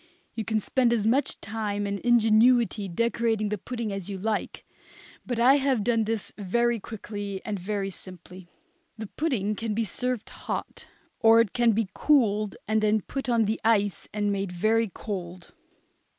You can spend as much time and ingenuity decorating the pudding as you like, but I have done this very quickly and very simply. The pudding can be served hot, or it can be cooled and then put on the ice and made very cold.